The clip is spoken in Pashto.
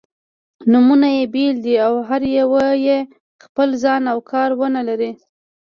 نومونه يې بېل دي او هره یوه یې خپل ځای او کار-ونه لري.